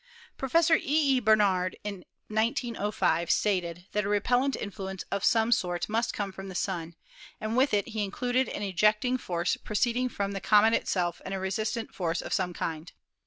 Professor E. E. Barnard in 1905 stated that a repellent influence of some sort must come from the Sun, and with it he included an ejecting force proceeding from the comet itself and a resistant force of some kind.